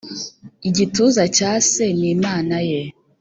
igituza cya se n'imana ye.